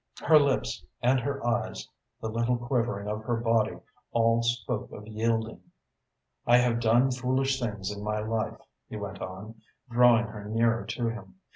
Her lips and her eyes, the little quivering of her body, all spoke of yielding. "I have done foolish things in my life," he went on, drawing her nearer to him.